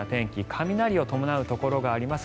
雷を伴うところがあります。